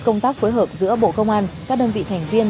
công tác phối hợp giữa bộ công an các đơn vị thành viên